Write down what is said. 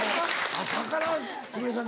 朝からすみれさん